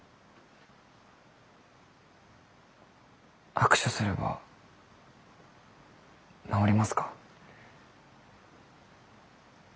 握手すれば治りますか？